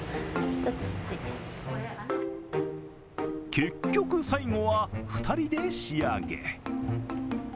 結局、最後は２人で仕上げ。